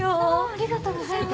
ありがとうございます。